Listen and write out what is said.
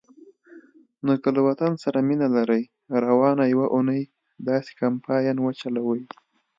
نو که له وطن سره مینه لرئ، روانه یوه اونۍ داسی کمپاین وچلوئ